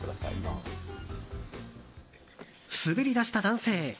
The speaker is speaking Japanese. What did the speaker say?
滑り出した男性。